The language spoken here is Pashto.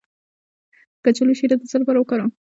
د کچالو شیره د څه لپاره وکاروم؟